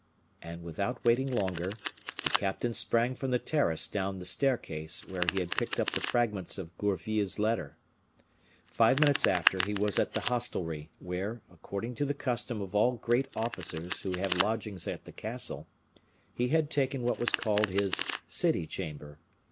And without waiting longer, the captain sprang from the terrace down the staircase, where he had picked up the fragments of Gourville's letter. Five minutes after, he was at the hostelry, where, according to the custom of all great officers who have lodgings at the castle, he had taken what was called his city chamber.